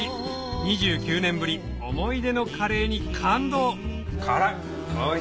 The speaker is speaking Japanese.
２９年ぶり思い出のカレーに感動辛い！